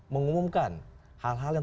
mengumumkan hal hal yang